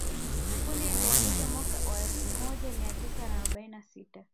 Kundi lilianzishwa mwaka wa elfu moja mia tisa arobaini na sita